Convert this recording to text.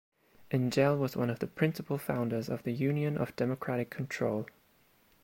Angell was one of the principal founders of the Union of Democratic Control.